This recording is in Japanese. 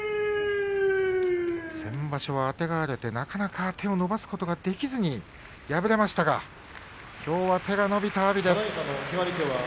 先場所はあてがわれてなかなか手を伸ばすことができずに敗れましたがきょうは手が伸びた阿炎です。